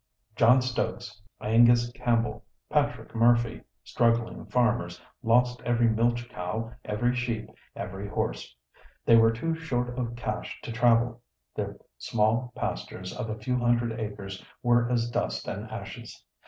John Stokes, Angus Campbell, Patrick Murphy, struggling farmers, lost every milch cow, every sheep, every horse. They were too short of cash to travel. Their small pastures of a few hundred acres were as dust and ashes.